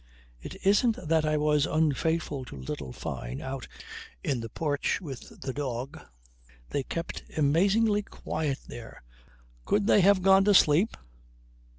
It isn't that I was unfaithful to little Fyne out in the porch with the dog. (They kept amazingly quiet there. Could they have gone to sleep?)